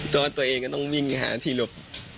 ก็ตัวเองก็ต้องวิ่งหาที่หลบ